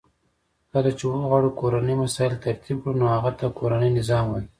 کله چی وغواړو کورنی مسایل ترتیب کړو نو هغه ته کورنی نظام وای .